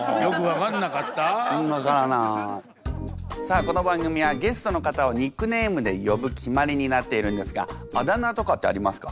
さあこの番組はゲストの方をニックネームで呼ぶ決まりになっているんですがあだ名とかってありますか？